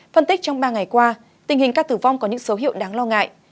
phân tích trong ba ngày qua tình hình các tử vong có những số hiệu đáng lo ngại